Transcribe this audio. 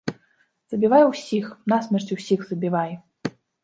Забівай усіх, насмерць усіх забівай!